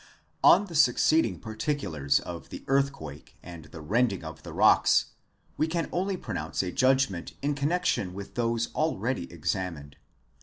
'% On the succeeding particulars of the earthquake and the rending of the rocks, we can only pronounce a judgment in connexion with those already examined.